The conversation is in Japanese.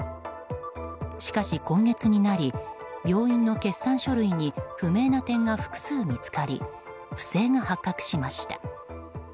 しかし、今月になり病院の決算書類に不明な点が複数見つかり不正が発覚しました。